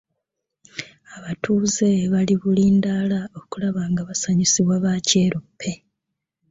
Abatuuze bali bulindaala okulaba nga basanyusibwa ba kyeruppe.